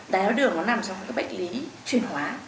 đại hóa đường nó nằm trong các bệnh lý chuyển hóa